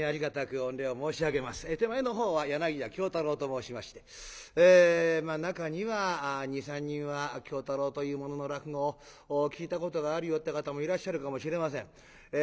手前のほうは柳家喬太郎と申しまして中には２３人は喬太郎という者の落語を聴いたことがあるよって方もいらっしゃるかもしれません。